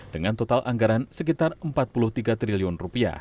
dengan total anggaran sekitar rp empat puluh tiga triliun